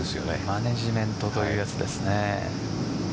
マネージメントというやつですね。